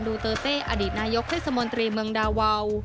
ดูเตอร์เต้อดีตนายกเทศมนตรีเมืองดาวาว